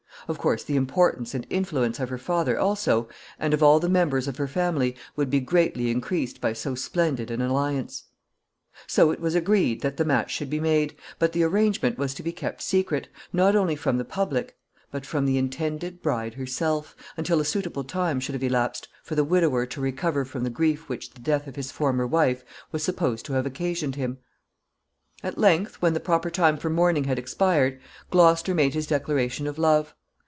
Of course, the importance and influence of her father also, and of all the members of her family, would be greatly increased by so splendid an alliance. [Sidenote: Splendid prospect.] So it was agreed that the match should be made, but the arrangement was to be kept secret, not only from the public, but from the intended bride herself, until a suitable time should have elapsed for the widower to recover from the grief which the death of his former wife was supposed to have occasioned him. [Sidenote: Gloucester's declaration.] At length, when the proper time for mourning had expired, Gloucester made his declaration of love.